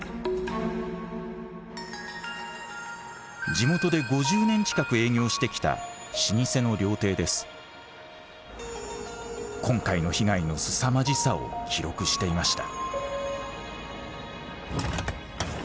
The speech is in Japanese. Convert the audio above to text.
地元で５０年近く営業してきた今回の被害のすさまじさを記録していました。